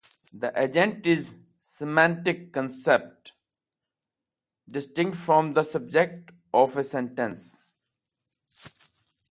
The agent is a semantic concept distinct from the subject of a sentence.